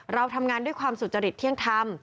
เราทำงานด้วยความสุจริตเที่ยงธรรม